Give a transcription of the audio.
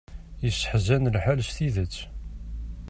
Iseḥzan lḥal s tidet.